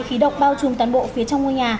khí độc bao trùm toàn bộ phía trong ngôi nhà